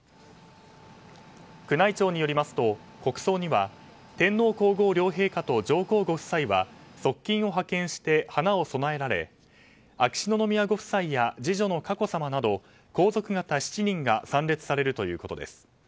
宮内庁によりますと国葬には天皇・皇后両陛下と上皇ご夫妻は側近を派遣して花を供えられ、秋篠宮ご夫妻や次女の佳子さまなど皇族方７人が参列されるということです。